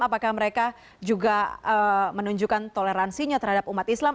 apakah mereka juga menunjukkan toleransinya terhadap umat islam